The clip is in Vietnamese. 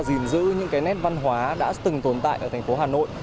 gìn giữ những nét văn hóa đã từng tồn tại ở thành phố hà nội